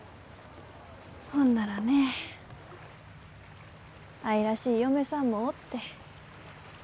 ほんならね愛らしい嫁さんもおって。